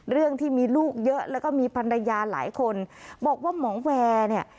เรื่องที่มีลูกเยอะแล้วก็มีภรรยาหลายคนบอกว่าหมอแวร์เนี่ย